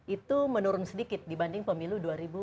itu menurun sedikit dibanding pemilu dua ribu sembilan belas